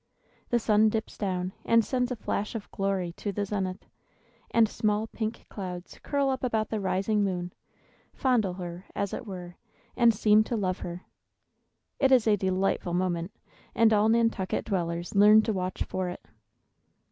The sun dips down, and sends a flash of glory to the zenith; and small pink clouds curl up about the rising moon, fondle her, as it were, and seem to love her. It is a delightful moment, and all Nantucket dwellers learn to watch for it.